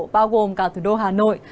bao gồm cả thủ đô hà nội